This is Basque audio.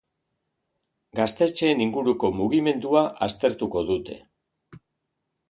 Gaztetxeen inguruko mugimendua aztertuko dute.